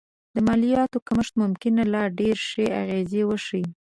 د مالیاتو کمښت ممکن لا ډېرې ښې اغېزې وښيي